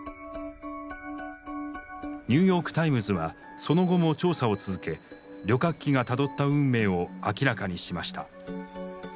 ニューヨーク・タイムズはその後も調査を続け旅客機がたどった運命を明らかにしました。